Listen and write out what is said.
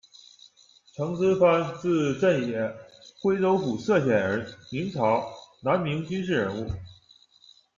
程之藩，字镇野，徽州府歙县人，明朝、南明军事人物。